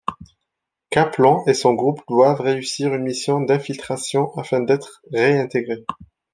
Caplan et son groupe doivent réussir une mission d'infiltration afin d'être réintégrés.